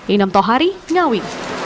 inam tohari ngawi